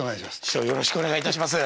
師匠よろしくお願いいたします。